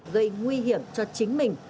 gây nguy hiểm cho chính mình